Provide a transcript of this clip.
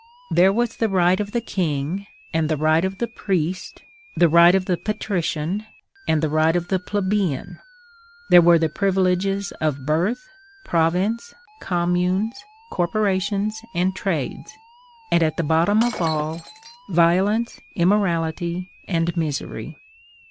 There was the right of the king and the right of the priest, the right of the patrician and the right of the plebeian; there were the privileges of birth, province, communes, corporations, and trades; and, at the bottom of all, violence, immorality, and misery.